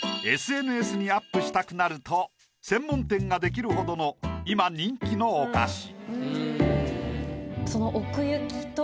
ＳＮＳにアップしたくなると専門店が出来るほどの今人気のお菓子。